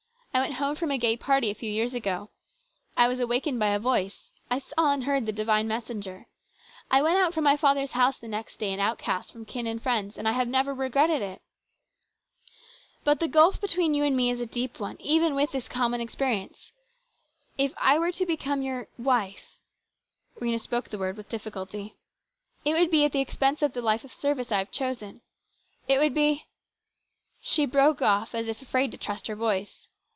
I went home from a gay party a few years ago. I was awakened by a voice. I saw and heard the divine messenger. I went out from my father's house the next day, an outcast from kin and friends ; and I have never regretted it. But the gulf between you and me is a deep one, even with this common experience. If I were to become your wife," Rhena spoke the word with difficulty, " it would be at the expense of the life of service I have chosen. It would be " 230 HIS BROTHER'S KEEPER. She broke off as if afraid to trust her voice.